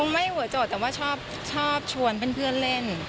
ไม่หัวโจทย์แต่ว่าชอบชวนเพื่อนเล่น